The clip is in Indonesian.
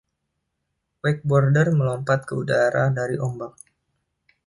Wakeboarder melompat ke udara dari ombak